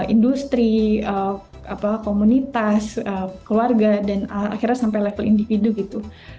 industri komunitas keluarga dan akhirnya sampai level individu gitu